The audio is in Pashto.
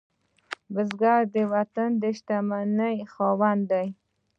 بزګر د وطن د شتمنۍ خاوند دی